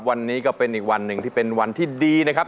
วันนี้ก็เป็นอีกวันหนึ่งที่เป็นวันที่ดีนะครับ